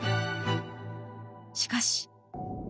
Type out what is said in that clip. しかし。